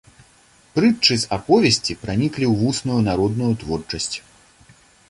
Прытчы з аповесці праніклі ў вусную народную творчасць.